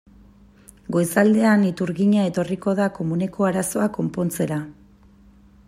Goizaldean iturgina etorriko da komuneko arazoa konpontzera.